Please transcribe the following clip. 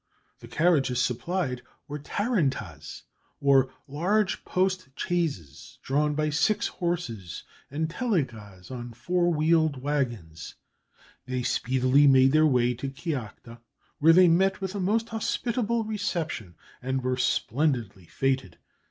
The carriages supplied were tarantas, or large post chaises, drawn by six horses, and telagas, or four wheeled waggons. They speedily made their way to Kiakhta, where they met with a most hospitable reception, and were splendidly fêted.